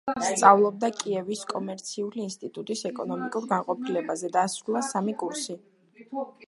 სწავლობდა კიევის კომერციული ინსტიტუტის ეკონომიკურ განყოფილებაზე; დაასრულა სამი კურსი.